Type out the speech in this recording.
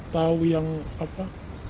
tahu yang apa